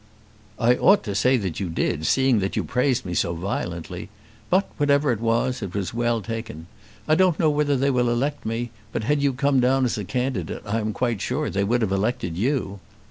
"I ought to say that you did, seeing that you praised me so violently. But, whatever it was, it was well taken. I don't know whether they will elect me; but had you come down as a candidate, I am quite sure they would have elected you."